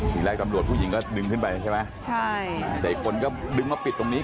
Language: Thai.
ทีแรกตำรวจผู้หญิงก็ดึงขึ้นไปใช่ไหมใช่แต่อีกคนก็ดึงมาปิดตรงนี้